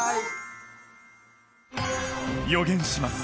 予言します